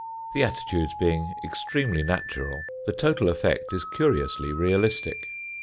The attitudes being extremely natural the total effect is curiously realistic.